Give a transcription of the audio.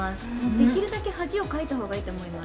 できるだけ恥をかいたほうがいいと思います。